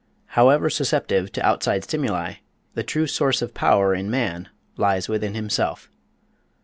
However susceptive to outside stimuli, the true source of power in man lies within himself.